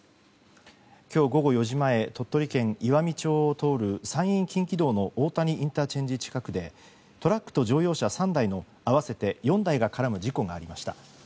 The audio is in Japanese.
今日午後４時前鳥取県岩美町を通る山陰近畿道の大谷ＩＣ近くでトラックと乗用車３台の合わせて４台が絡む事故がありました。